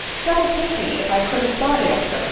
<c Devil take me if I could have thought it of her